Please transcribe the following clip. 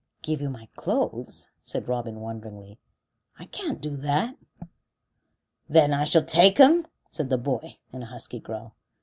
"Give you my clothes?" said Robin, wonderingly. "I can't do that." "Then I shall take 'em?" said the boy, in a husky growl.